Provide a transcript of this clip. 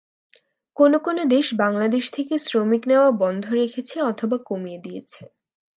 কোনো কোনো দেশ বাংলাদেশ থেকে শ্রমিক নেওয়া বন্ধ রেখেছে অথবা কমিয়ে দিয়েছে।